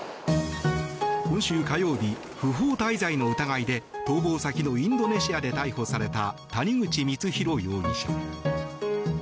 今週火曜日、不法滞在の疑いで逃亡先のインドネシアで逮捕された谷口光弘容疑者。